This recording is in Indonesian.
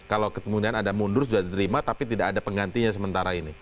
kalau kemudian ada mundur sudah diterima tapi tidak ada penggantinya sementara ini